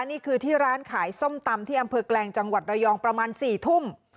นี่คือที่ร้านขายส้มตำที่อำเภอแกลงจังหวัดระยองประมาณ๔ทุ่ม